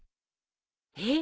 えっ？